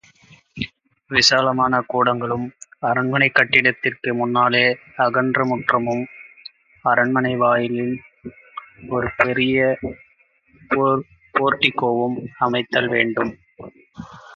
விசாலமான கூடங்களும், அரண்மனைக் கட்டிடத்திற்கு முன்னாலே அகன்ற முற்றமும், அரண்மனை வாயிலில் ஒரு பெரிய போர்டிகோவும் அமைத்தல் வேண்டும்.